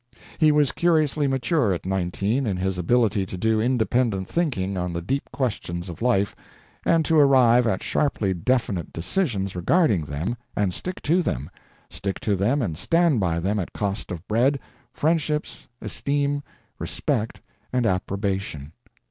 He was curiously mature at nineteen in his ability to do independent thinking on the deep questions of life and to arrive at sharply definite decisions regarding them, and stick to them stick to them and stand by them at cost of bread, friendships, esteem, respect, and approbation.